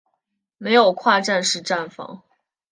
设有跨站式站房。